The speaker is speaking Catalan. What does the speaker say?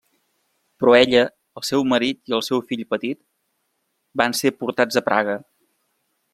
Però ella, el seu marit i el seu fill petit van ser portats a Praga.